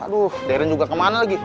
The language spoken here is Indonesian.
aduh deren juga kemana lagi